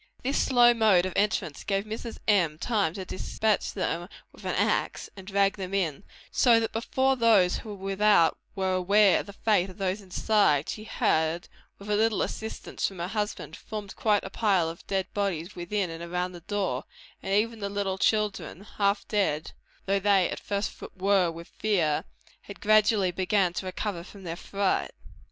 This slow mode of entrance gave time to Mrs. M. to despatch them with an axe, and drag them in; so that before those without were aware of the fate of those inside, she had, with a little assistance from her husband, formed quite a pile of dead bodies within and around the door; and even the little children, half dead though they at first were with fear, had gradually begun to recover from their fright.